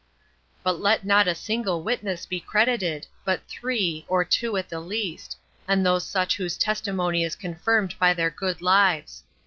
15. But let not a single witness be credited, but three, or two at the least, and those such whose testimony is confirmed by their good lives.